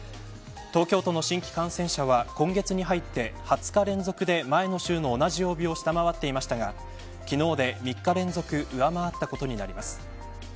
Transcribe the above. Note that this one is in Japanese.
東京都の新規感染者は今月に入って２０日連続で前の週の同じ曜日を下回っていましたが昨日で３日連続上回ったことになります。